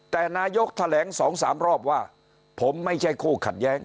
แต่นายกรัฐมนตรีแถลงสองสามรอบว่าผมไม่ใช่คู่ขัดแย้ง